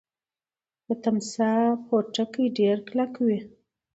د تمساح پوټکی ډیر کلک وي